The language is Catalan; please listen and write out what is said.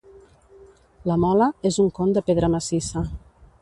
La mola, és un con de pedra massissa.